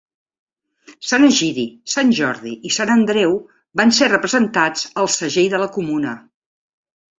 Sant Egidi, Sant Jordi i Sant Andreu van ser representats al segell de la comuna.